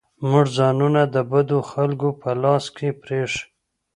موږ ځانونه د بدو خلکو په لاس کې پرېښي.